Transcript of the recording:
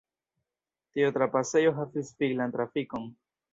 Tiu trapasejo havis viglan trafikon.